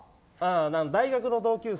大学の同級生。